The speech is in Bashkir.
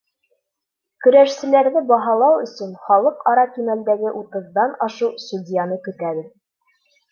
Көрәшселәрҙе баһалау өсөн халыҡ-ара кимәлдәге утыҙҙан ашыу судьяны көтәбеҙ.